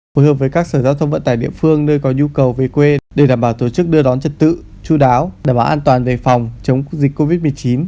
phối hợp với các sở giao thông vận tải địa phương nơi có nhu cầu về quê để đảm bảo tổ chức đưa đón trật tự chú đáo đảm bảo an toàn về phòng chống dịch covid một mươi chín